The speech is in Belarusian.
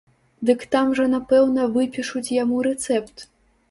Дык там жа напэўна выпішуць яму рэцэпт!